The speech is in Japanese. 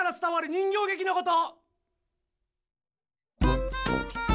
人形げきのこと。